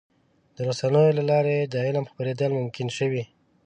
د رسنیو له لارې د علم خپرېدل ممکن شوي.